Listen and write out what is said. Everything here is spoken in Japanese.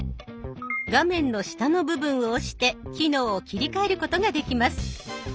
画面の下の部分を押して機能を切り替えることができます。